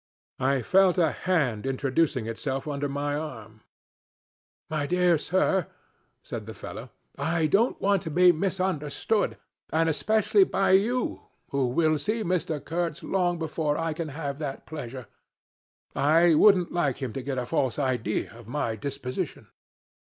I felt a hand introducing itself under my arm. 'My dear sir,' said the fellow, 'I don't want to be misunderstood, and especially by you, who will see Mr. Kurtz long before I can have that pleasure. I wouldn't like him to get a false idea of my disposition.